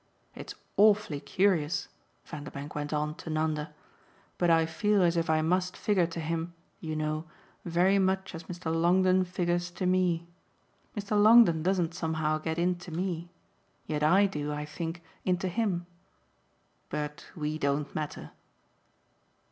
It's awfully curious," Vanderbank went on to Nanda, "but I feel as if I must figure to him, you know, very much as Mr. Longdon figures to me. Mr. Longdon doesn't somehow get into me. Yet I do, I think, into him. But we don't matter!"